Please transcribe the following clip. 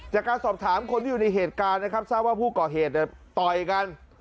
จากการสอบถามคนที่อยู่ในเหตุการณ์นะครับทราบว่าผู้ก่อเหตุต่อยกัน